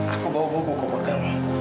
aku bawa buku buku buat kamu